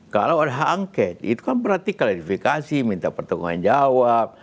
kalau ada hak angket itu kan berarti klarifikasi minta pertanggungan jawab